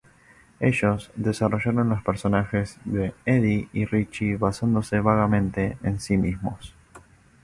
Ellos desarrollaron los personajes de Eddie y Richie basándose vagamente en sí mismos.